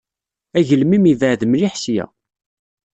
Agelmim yebɛed mliḥ ssya.